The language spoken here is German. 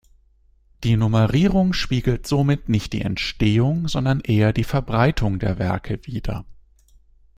Die Nummerierung spiegelt somit nicht die Entstehung, sondern eher die Verbreitung der Werke wider.